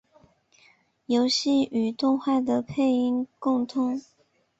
游戏与动画的配音共通。